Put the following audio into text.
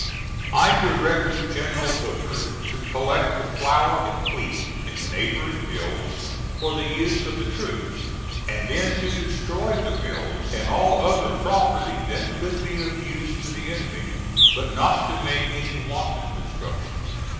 I directed General Hooker to collect the flour and wheat in the neighboring mills for the use of the troops, and then to destroy the mills and all other property that could be of use to the enemy, but not to make any wanton destruction.